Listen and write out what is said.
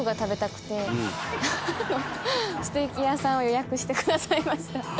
ステーキ屋さんを予約してくださいました。